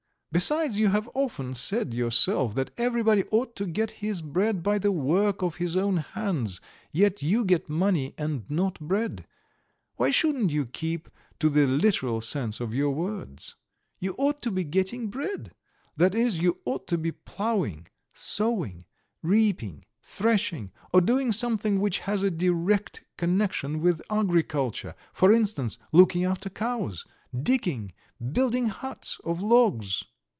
Besides, you have often said yourself that everybody ought to get his bread by the work of his own hands, yet you get money and not bread. Why shouldn't you keep to the literal sense of your words? You ought to be getting bread, that is, you ought to be ploughing, sowing, reaping, threshing, or doing something which has a direct connection with agriculture, for instance, looking after cows, digging, building huts of logs.